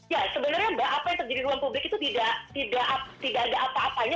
ya sebenarnya mbak apa yang terjadi di ruang publik itu tidak ada apa apanya